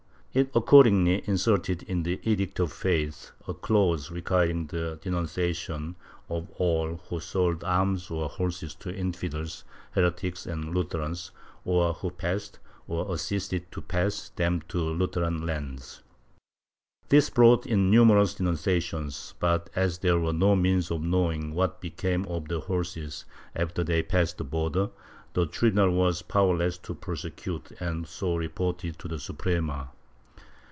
It accord ingly inserted in the Edict of Faith a clause reciuiring the denun ciation of all who sold arms or horses to infidels, heretics, or Lutherans, or who passed, or assisted to pass, them to Lutheran lands. This brought in numerous denunciations but, as there were no means of knowing what became of the horses after they passed the border, the tribunal was powerless to prosecute and so reported to the Suprema.